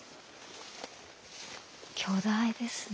巨大ですね。